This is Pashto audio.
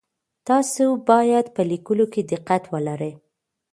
تاسو باید په لیکلو کي دقت ولرئ.